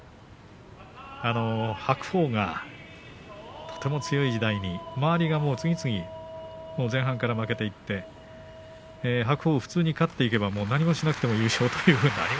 白鵬がとても強い時代に周りが次々に前半から負けていって白鵬、普通に勝っていけば何もしなくても優勝ということが。